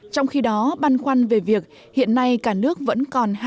trong khi đó băn khoăn về việc hiện nay cả nước vẫn còn hai sáu trăm sáu mươi hai công trình